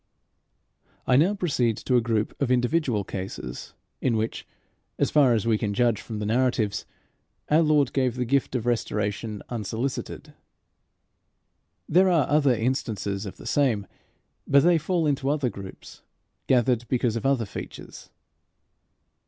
I now proceed to a group of individual cases in which, as far as we can judge from the narratives, our Lord gave the gift of restoration unsolicited. There are other instances of the same, but they fall into other groups, gathered because of other features.